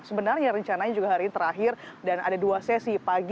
sebenarnya rencananya juga hari ini terakhir dan ada dua sesi pagi